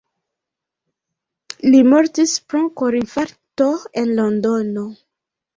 Li mortis pro korinfarkto en Londono.